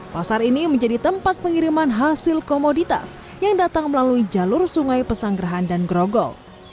pasar ini menjadi tempat pengiriman hasil komoditas yang datang melalui jalur sungai pesanggerahan dan grogol